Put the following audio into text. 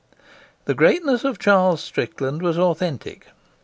The greatness of Charles Strickland was authentic.